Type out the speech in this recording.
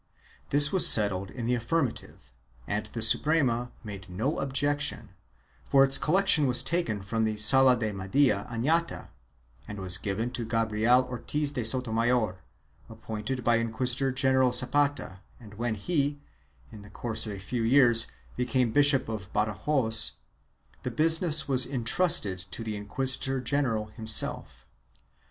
This was settled in the affirmative and the Suprema made no objec tion, for its collection was taken from the Sala de Media Anata and was given to Gabriel Ortiz de Sotomayor, appointed by Inquisitor general Zapata and when he, in the course of a few years, became Bishop of Badajoz, the business was intrusted to the inquisitor general himself.